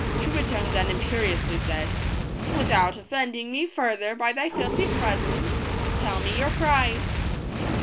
Truitonne then imperiously said :" Without offending me further by thy filthy presence, tell me your price."